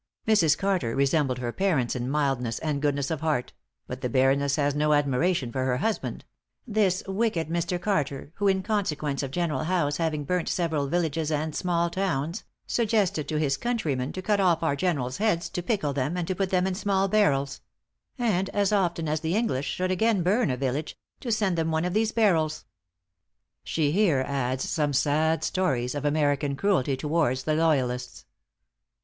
Mrs. Carter resembled her parents in mildness and goodness of heart; but the Baroness has no admiration for her husband "this wicked Mr. Carter, who, in consequence of General Howe's having burnt several villages and small towns, suggested to his countrymen to cut off our generals' heads, to pickle them, and to put them in small barrels; and as often as the English should again burn a village to send them one of these barrels." She here adds some sad stories of American cruelty towards the loyalists.